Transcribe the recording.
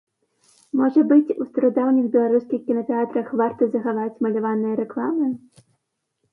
Можа быць, у старадаўніх беларускіх кінатэатрах варта захаваць маляваныя рэкламы?